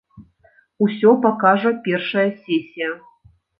Усё пакажа першая сесія.